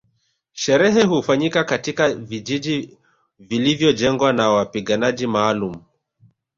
Sherehe hufanyika katika vijiji vilivyojengwa na wapiganaji maalumu